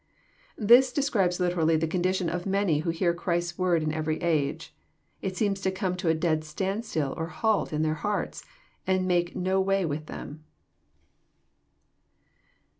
This describes literally the condition of many who hear Christ's wovd in every age. It seems to come to a dead stand* still or halt in their hearts, and to make no way with them.